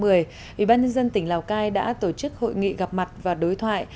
ủy ban nhân dân tỉnh lào cai đã tổ chức hội nghị gặp mặt và đối thoại